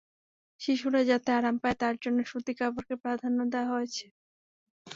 শিশুরা যাতে আরাম পায়, তার জন্য সুতি কাপড়কে প্রাধান্য দেওয়া হয়েছে।